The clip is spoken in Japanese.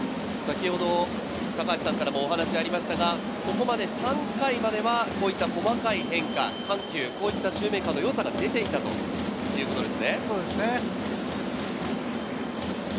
先ほど高橋さんからもお話ありましたが、ここまで３回までは、こういった細かい変化、緩急、こういったシューメーカーのよさが出ていたということですね。